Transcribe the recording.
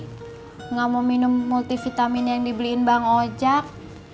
mak kenapa sih ga mau minum multivitamin yang dibeliin bang ojak